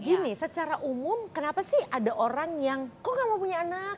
gini secara umum kenapa sih ada orang yang kok kamu punya anak